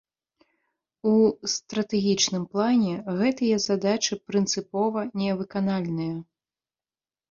У стратэгічным плане гэтыя задачы прынцыпова не выканальныя.